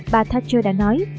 bà thatcher đã nói